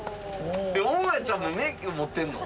大家ちゃんも免許持ってるの？